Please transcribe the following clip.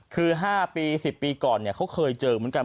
คือ๕ปี๑๐ปีก่อนเขาเคยเจอเหมือนกัน